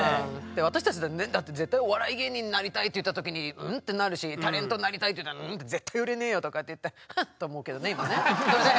私たちだってねだって「絶対お笑い芸人になりたい」って言った時に「ん？」ってなるし「タレントになりたい」って言ったら「ん？絶対売れねよ」とかって言ってフンッて思うけどね今ね。